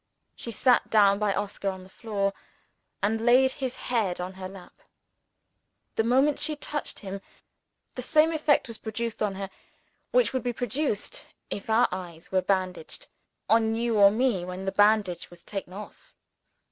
She sat down by Oscar on the floor, and laid his head on her lap. The moment she touched him, the same effect was produced on her which would be produced (if our eyes were bandaged) on you or me when the bandage was taken off.